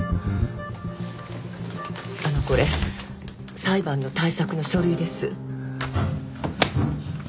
これ裁判の対策の書類です。